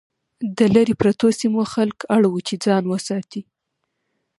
د لرې پرتو سیمو خلک اړ وو چې ځان وساتي.